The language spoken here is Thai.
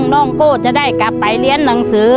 น้องโก้จะได้กลับไปเรียนหนังสือ